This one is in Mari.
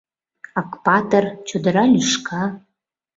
«Акпатыр», «Чодыра лӱшка»